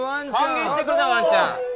歓迎してくれたワンちゃん。